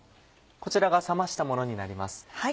こちらが冷ましたものになります。